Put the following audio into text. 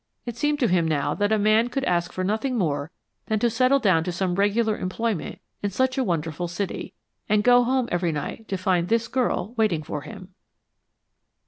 It seemed to him now that a man could ask for nothing more than to settle down to some regular employment in such a wonderful city, and go home every night to find this girl waiting for him.